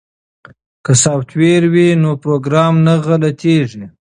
که سافټویر وي نو پروګرام نه غلطیږي.